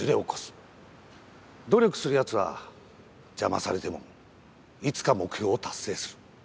努力する奴は邪魔されてもいつか目標を達成する。